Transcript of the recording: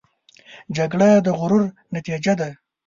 جګړه د غرور نتیجه ده